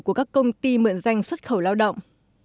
của các công ty mượn danh xuất khẩu lao động